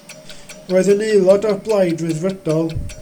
Roedd yn aelod o'r Blaid Ryddfrydol.